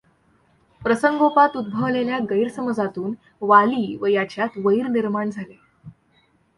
प्रसंगोपात उद्भवलेल्या गैरसमजातून वाली व याच्यात वैर निर्माण झाले.